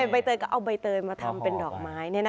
ใบเตยก็เอาใบเตยมาทำเป็นดอกไม้